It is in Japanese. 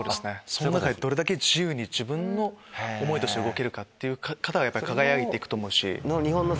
その中でどれだけ自由に自分の思いとして動ける方が輝いていくと思うし。